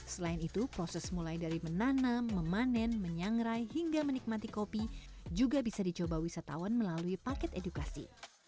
selain itu proses mulai dari menanam memanen menyangrai hingga menikmati kopi juga bisa dicoba wisatawan melalui paket edukasi